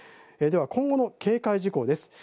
今後の警戒事項です。